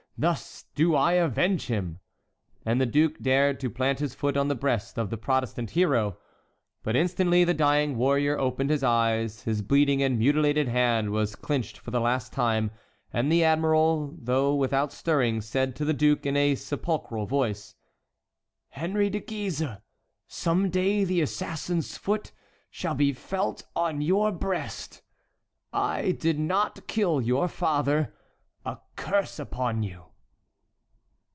thus do I avenge him!" And the duke dared to plant his foot on the breast of the Protestant hero. But instantly the dying warrior opened his eyes, his bleeding and mutilated hand was clinched for the last time, and the admiral, though without stirring, said to the duke in a sepulchral voice: "Henry de Guise, some day the assassin's foot shall be felt on your breast. I did not kill your father. A curse upon you."